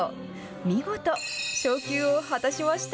見事、昇級を果たしました。